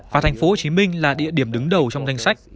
và tp hcm là địa điểm đứng đầu trong danh sách